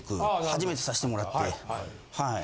初めてさせてもらってはい。